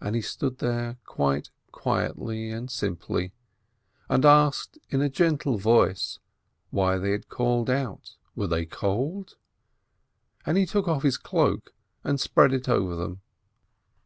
And he stood there quite quietly and simply, and asked in a gentle voice why they had called out. Were they cold? And 'he took off his cloak and spread it over them.